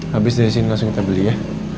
habis dari sini langsung kita beli ya